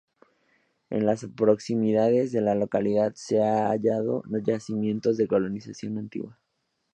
En las proximidades de la localidad se han hallado yacimientos de colonización antigua.